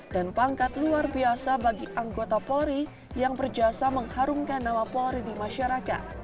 dan pangkat luar biasa bagi anggota polri yang berjasa mengharumkan nama polri di masyarakat